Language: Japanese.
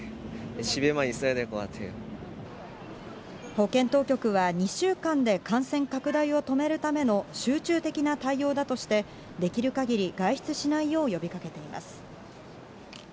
保健当局は、２週間で感染拡大を止めるための集中的な対応だとして、できるかぎり外出しないよう呼びかけています。